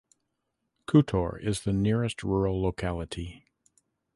Khutor is the nearest rural locality.